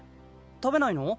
食べないの？